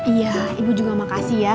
iya ibu juga makasih ya